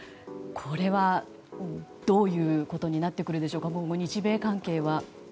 これは、どういうことになってくるんでしょうか。